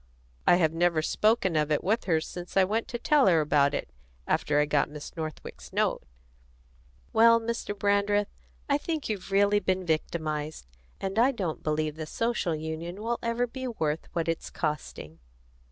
I have never spoken of it with her since I went to tell her about it, after I got Miss Northwick's note." "Well, Mr. Brandreth, I think you've really been victimised; and I don't believe the Social Union will ever be worth what it's costing."